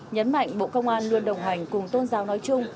nhấn mạnh bộ công an luôn đồng hành cùng tôn giáo nói chung